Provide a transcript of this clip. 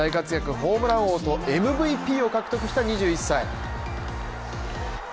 ホームラン王とＭＶＰを獲得した２１歳。